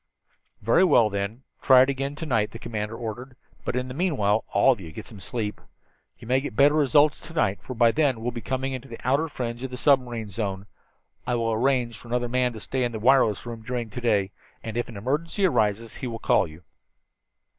"Very well, then, try it again to night," the commander ordered. "But in the meantime all of you get some sleep. You may get better results to night, for by then we will be coming to the outer fringe of the submarine zone. I will arrange for another man to stay in the wireless room during to day, and if an emergency arises he will call you."